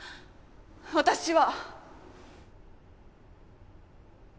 私は。